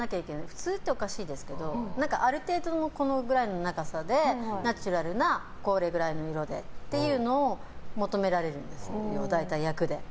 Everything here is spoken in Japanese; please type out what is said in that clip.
普通っておかしいですけどある程度の、このくらいの長さでナチュラルなこれくらいの色でっていうのを求められるんです、大体役で。